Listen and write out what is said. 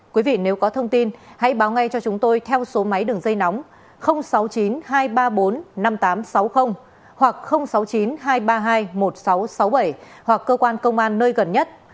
quý vị nếu có thông tin hãy báo ngay cho chúng tôi theo số máy đường dây nóng sáu mươi chín hai trăm ba mươi bốn năm nghìn tám trăm sáu mươi hoặc sáu mươi chín hai trăm ba mươi hai một nghìn sáu trăm sáu mươi bảy hoặc cơ quan công an nơi gần nhất